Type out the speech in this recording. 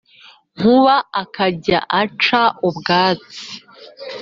Nkuba akajya aca ubwatsi,